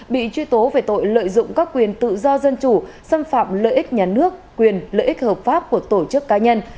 bị truy tố về tội lợi dụng các quyền tự do dân chủ xâm phạm lợi ích nhà nước quyền lợi ích hợp pháp của tổ chức cá nhân